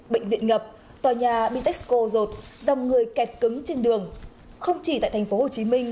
bệnh viện ngập tòa nhà bitexco rột dòng người kẹt cứng trên đường không chỉ tại thành phố hồ chí minh